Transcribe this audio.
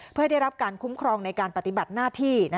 เพื่อได้รับการคุ้มครองในการปฏิบัติหน้าที่